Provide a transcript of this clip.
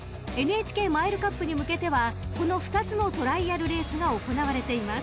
［ＮＨＫマイルカップに向けてはこの２つのトライアルレースが行われています］